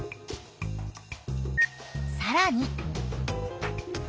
さらに。